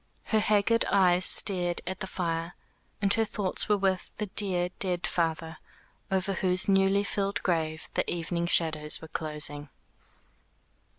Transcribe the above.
Her haggard eyes stared at the fire, and her thoughts were with the dear dead father, over whose newly filled grave the evening shadows were closing.